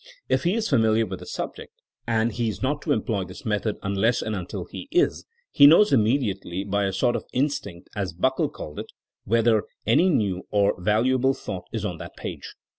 If he is familiar with the subject (and he is not to employ this method unless and until he is) he knows immediately, by a sort of instinct" as Buckle called it, whether any new or valuable thought is on that page.